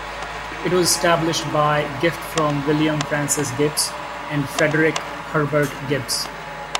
It was established by a gift from William Francis Gibbs and Frederic Herbert Gibbs.